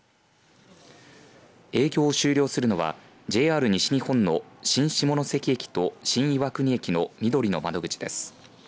営業を終了するのはＪＲ西日本の新下関駅と新岩国駅のみどりの窓口です。